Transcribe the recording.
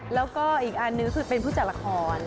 แล้วก็อีกอันนึงคือเป็นผู้จัดละคร